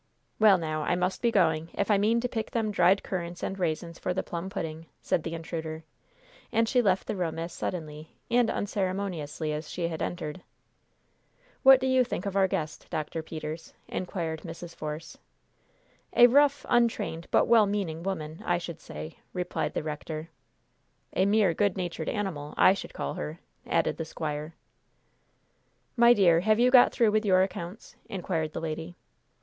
"Well, now I must be going, if I mean to pick them dried currants and raisins for the plum pudding!" said the intruder, and she left the room as suddenly and unceremoniously as she had entered. "What do you think of our guest, Dr. Peters?" inquired Mrs. Force. "A rough, untrained, but well meaning, woman, I should say," replied the rector. "A mere good natured animal, I should call her," added the squire. "My dear, have you got through with your accounts?" inquired the lady.